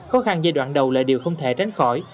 khó khăn giai đoạn đầu là điều không thể tránh khỏi